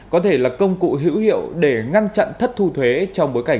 có thể là công cụ hữu hiệu để ngăn chặn thất thu thuế trong bối cảnh